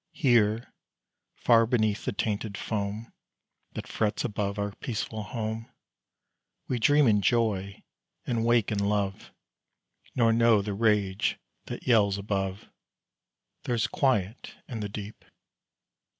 Here, far beneath the tainted foam, That frets above our peaceful home, We dream in joy, and wake in love, Nor know the rage that yells above. There's quiet in the deep.